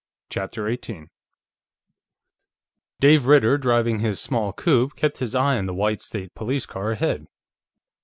CHAPTER 18 Dave Ritter, driving his small coupé, kept his eye on the white State Police car ahead.